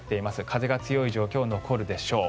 風が強い状況、残るでしょう。